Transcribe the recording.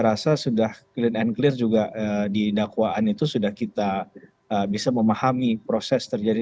merasa sudah keren ngelir juga di dakwaan itu sudah kita bisa memahami proses terjadi